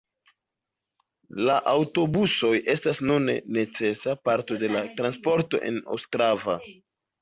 La aŭtobusoj estas nun necesa parto de la transporto en Ostrava.